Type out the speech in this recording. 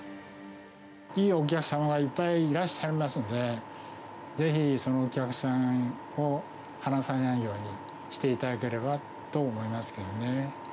いいお客さんがいっぱいいらっしゃいますので、ぜひそのお客さんを離さないようにしていただければと思いますけどね。